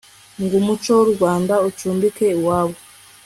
ng'umuco w'u rwanda ucumbike iwabo